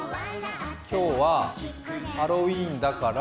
今日はハロウィーンだから